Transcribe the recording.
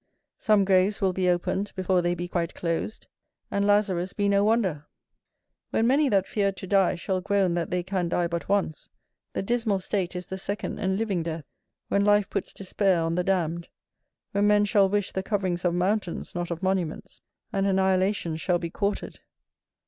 Some graves will be opened before they be quite closed, and Lazarus be no wonder. When many that feared to die, shall groan that they can die but once, the dismal state is the second and living death, when life puts despair on the damned; when men shall wish the coverings of mountains, not of monuments, and annihilations shall be courted.